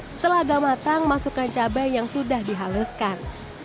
setelah agak matang masukkan cabai yang sudah dihaluskan